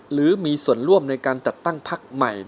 หรือมีส่วนร่วมในการจัดตั้งพักใหม่